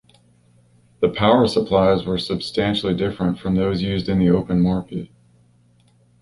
The power supplies were substantially different from those used in the open market.